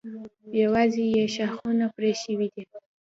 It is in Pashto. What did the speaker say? یوازې یې ښاخونه پرې شوي دي.